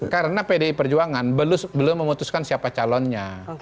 karena pdi perjuangan belum memutuskan siapa calonnya